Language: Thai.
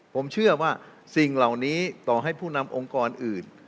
ผมเชื่อว่าสิ่งเหล่านี้ต่อให้ผู้นำองค์กรอื่น